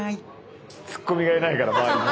ツッコミがいないから周りに。